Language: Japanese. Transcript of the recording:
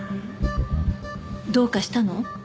どうかしたの？